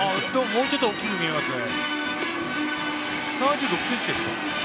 もうちょっと大きく見えますね。